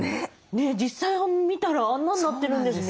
実際見たらあんなんなってるんですね。